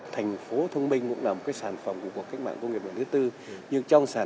thành phố thông minh cũng là một sản phẩm của cuộc cách mạng công nghiệp bốn